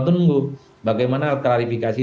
tunggu bagaimana klarifikasi